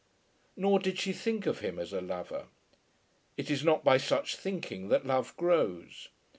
Nor did she think of him as a lover. It is not by such thinking that love grows.